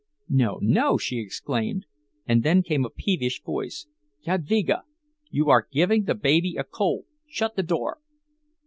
"No, no!" she exclaimed—and then came a peevish voice—"Jadvyga, you are giving the baby a cold. Shut the door!"